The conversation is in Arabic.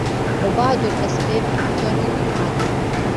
وَبَعْضُ الْأَسْبَابِ أَفْضَلُ مِنْ بَعْضِ